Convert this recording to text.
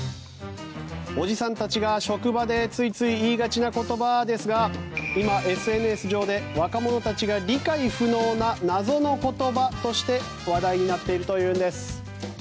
おじさんたちが、職場でついつい言いがちな言葉ですが今、ＳＮＳ上で若者たちが理解不能な謎の言葉として話題になっているというんです。